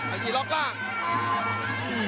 อังกฤษล็อกล่าง